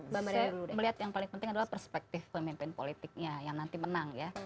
saya melihat yang paling penting adalah perspektif pemimpin politiknya yang nanti menang ya